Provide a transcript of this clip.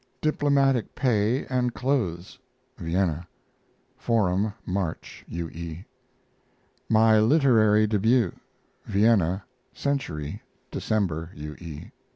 DIPLOMATIC PAY AND CLOTHES (Vienna) Forum, March. U. E. MY LITERARY DEBUT (Vienna) Century, December. U. E.